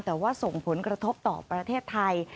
แต่ว่าส่งผลกระทบต่อประเทศไทย